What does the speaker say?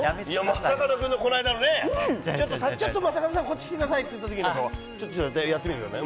正門君のこの間のね、ちょっと正門さん、こっち来てくださいって言ったときに、ちょっとやってみるからね。